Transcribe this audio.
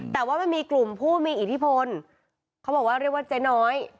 แต่ว่ามันมีกลุ่มผู้มีอิทธิพลเขาบอกว่าเรียกว่าเจ๊น้อย